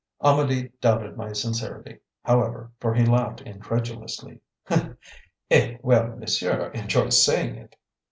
Amedee doubted my sincerity, however, for he laughed incredulously. "Eh, well, monsieur enjoys saying it!"